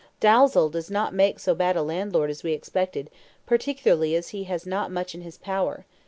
"Dalzell does not make so bad a landlord as we expected, particularly as he has not much in his power.